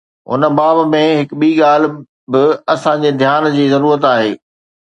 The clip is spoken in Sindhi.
هن باب ۾ هڪ ٻي ڳالهه به اسان جي ڌيان جي ضرورت آهي.